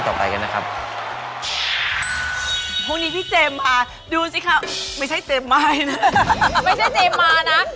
ไม่ใช่เจมส์มานะ